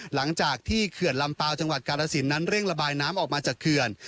เขื่อนลำเปล่าจังหวัดกาลสินนั้นเร่งระบายน้ำออกมาจากเขื่อน